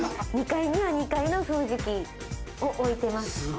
２階には２階の掃除機を置いてます。